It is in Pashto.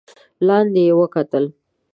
لاندې يې وکتل.